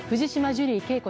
ジュリー景子